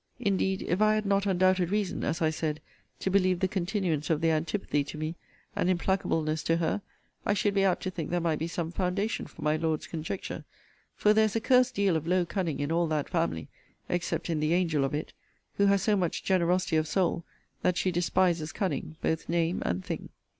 Indeed, if I had not undoubted reason, as I said, to believe the continuance of their antipathy to me, and implacableness to her, I should be apt to think there might be some foundation for my Lord's conjecture; for there is a cursed deal of low cunning in all that family, except in the angel of it; who has so much generosity of soul, that she despises cunning, both name and thing.